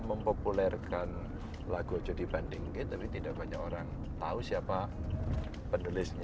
mempopulerkan lagu jodhi bandingke tapi tidak banyak orang tau siapa pendulisnya